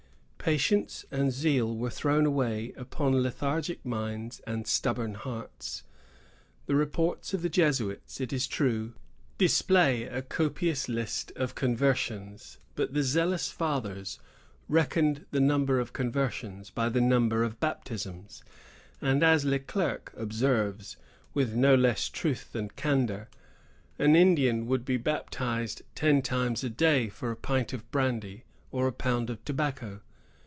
Patience and zeal were thrown away upon lethargic minds and stubborn hearts. The reports of the Jesuits, it is true, display a copious list of conversions; but the zealous fathers reckoned the number of conversions by the number of baptisms; and, as Le Clercq observes, with no less truth than candor, an Indian would be baptized ten times a day for a pint of brandy or a pound of tobacco.